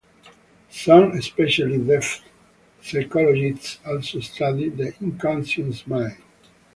Some, especially depth psychologists, also study the unconscious mind.